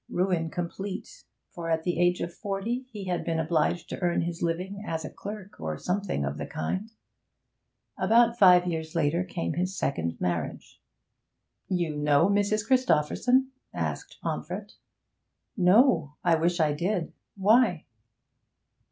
Ruin complete, for at the age of forty he had been obliged to earn his living as a clerk or something of the kind. About five years later came his second marriage. 'You know Mrs. Christopherson?' asked Pomfret. 'No! I wish I did. Why?'